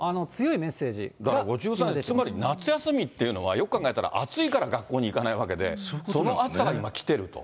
５３世、つまり夏休みっていうのは、よく考えたら、暑いから学校に行かないわけで、その暑さが今、来てると。